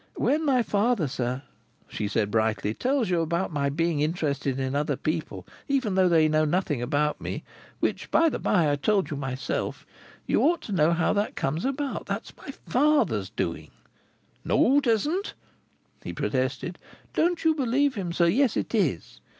"When my father, sir," she said brightly, "tells you about my being interested in other people even though they know nothing about me—which, by the by, I told you myself—you ought to know how that comes about. That's my father's doing." "No, it isn't!" he protested. "Don't you believe him, sir; yes, it is.